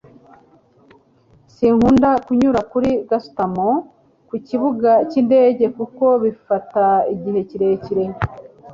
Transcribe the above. sinkunda kunyura kuri gasutamo kukibuga cyindege kuko bifata igihe kirekire